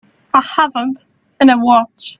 I haven't any watch.